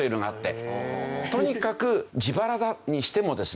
とにかく自腹にしてもですね